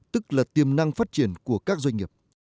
tức là tiềm năng phát triển của các doanh nghiệp